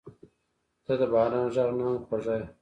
• ته د باران غږ نه هم خوږه یې.